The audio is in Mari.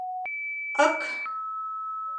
Ык!..